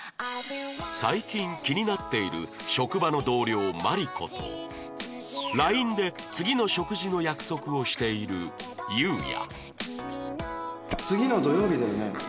最近気になっている職場の同僚マリコと ＬＩＮＥ で次の食事の約束をしているユウヤ